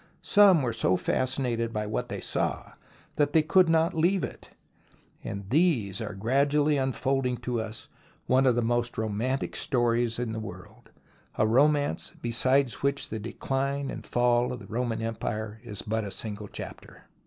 Some were so fascinated by what they saw that they could not leave it, and these are gradually unfolding to us one of the most romantic stories in the world, a romance beside which the Decline and Fall of the Roman Empire is but a single chapter.